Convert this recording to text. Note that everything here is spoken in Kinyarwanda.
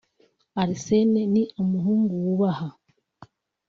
Arsene ni umuhungu wubaha